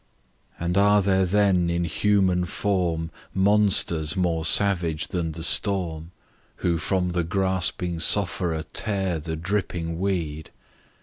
And are there then in human form Monsters more savage than the storm, Who from the gasping sufferer tear The dripping weed?